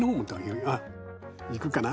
いくかな？